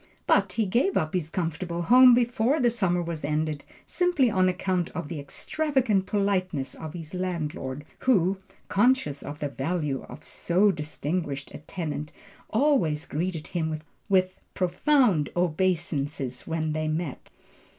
But he gave up this comfortable home before the summer was ended, simply on account of the extravagant politeness of his landlord, who, conscious of the value of so distinguished a tenant, always greeted him with "profound obeisances" when they met.